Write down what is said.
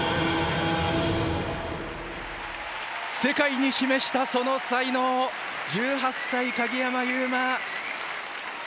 世界に示したその才能を１８歳、鍵山優真。